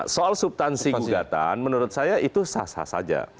soal subtansi gugatan menurut saya itu sah sah saja